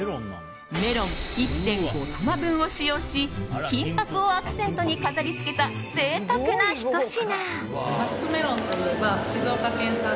メロン１．５玉分を使用し金箔をアクセントに飾り付けた贅沢なひと品。